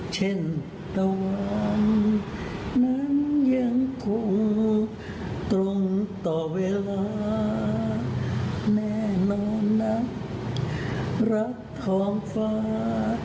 เช่นตะวันนั้นยังคงตรงต่อเวลาแน่นอนนักรักท้องฟ้า